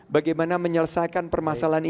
bagaimana menyelesaikan permasalahan ini